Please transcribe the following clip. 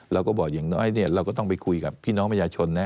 เราก็บอกอย่างน้อยเนี่ยเราก็ต้องไปคุยกับพี่น้องประชาชนนะ